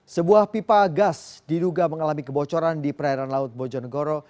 sebuah pipa gas diduga mengalami kebocoran di perairan laut bojonegoro